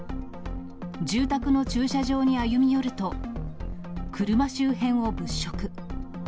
住宅の駐車場に歩み寄ると、車周辺を物色。